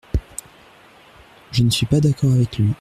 Je ne suis pas d’accord avec lui.